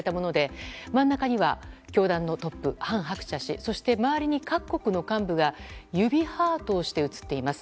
今月、ラスベガスで撮影されたもので真ん中には教団のトップ韓鶴子氏そして周りに各国の幹部が指ハートをして写っています。